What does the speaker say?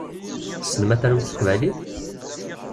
Tessnem ad tarum s teqbaylit?